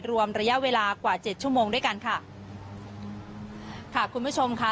รวมระยะเวลากว่าเจ็ดชั่วโมงด้วยกันค่ะค่ะคุณผู้ชมค่ะ